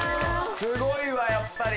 すごいわやっぱり。